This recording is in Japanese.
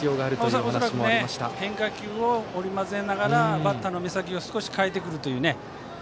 恐らく変化球を織り交ぜながらバッターの目先を少し変えてくる。